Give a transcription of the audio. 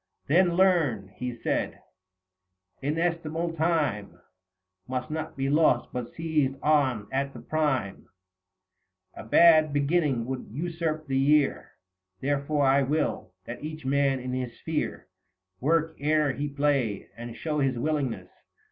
" Then learn ;" he said ;" inestimable time 175 Must not be lost, but seized on at the prime ; A bad beginning would usurp the year : Therefore I will, that each man in his sphere Work ere he play — and show his willingness."